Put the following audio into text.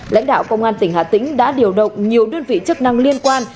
lãnh đạo công an tỉnh hà tĩnh đã điều động nhiều đơn vị chức năng liên quan